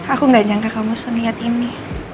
aku gak nyangka kamu seniat ini